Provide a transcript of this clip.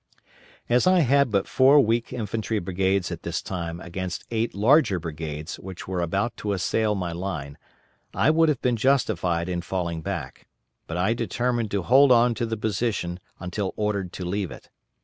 As I had but four weak infantry brigades at this time against eight larger brigades which were about to assail my line, I would have been justified in falling back, but I determined to hold on to the position until ordered to leave it.